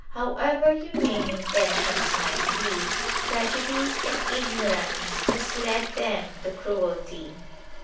However humane intentions might be, prejudice and ignorance misled them to cruelty.